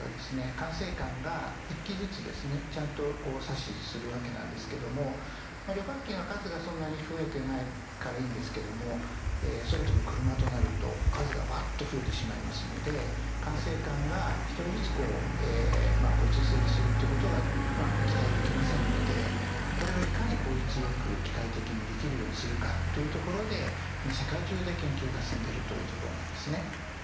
管制官が１機ずつちゃんと指図するわけなんですけども旅客機の数がそんなに増えてないからいいんですけども空飛ぶクルマとなると数がわっと増えてしまいますのでこれをいかに効率よく機械的にできるようにするかというところで今世界中で研究が進んでいるというところなんですね。